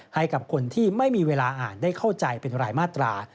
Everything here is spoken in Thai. ให้กับคนที่ไม่มีเวลาอ่านได้เข้าใจเป็นรายมาตรา